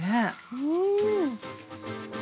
うん。